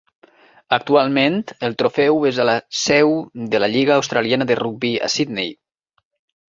Actualment el trofeu és a la seu de la Lliga Australiana de Rugby, a Sydney.